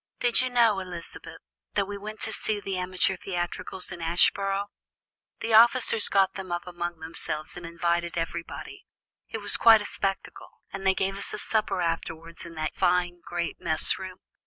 "Did you know, Elizabeth, that we went to see the amateur theatricals at Ashbourne? The officers got them up among themselves and invited everybody; it was quite a spectacle, and they gave us supper afterwards in that fine great mess room.